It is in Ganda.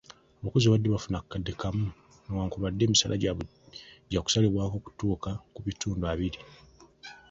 Abakozi ababadde bafuna akakadde kamu n'okwambuka emisaala gyabwe gyakusalibwako okutuuka ku bitundu abiri.